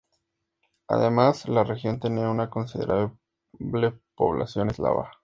Además, la región tenía una considerable población eslava.